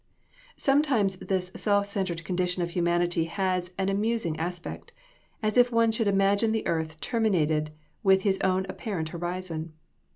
Sometimes this self centered condition of humanity has an amusing aspect: as if one should imagine the earth terminated with his own apparent horizon.